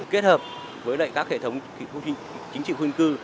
kết hợp với các hệ thống chính trị khuôn cư